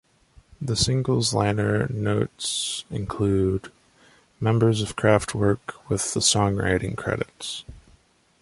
The single's liner notes include members of Kraftwerk with the songwriting credits.